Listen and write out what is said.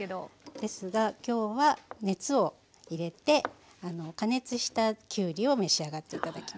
ですが今日は熱を入れて加熱したきゅうりを召し上がって頂きます。